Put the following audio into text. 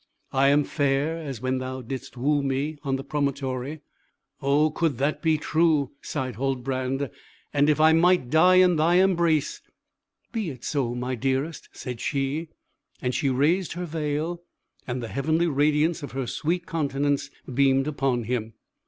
I am fair, as when thou didst woo me on the promontory." "Oh, could that be true!" sighed Huldbrand, "and if I might die in thy embrace!" "Be it so, my dearest," said she. And she raised her veil, and the heavenly radiance of her sweet countenance beamed upon him.